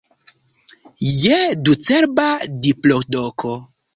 Je ducerba diplodoko!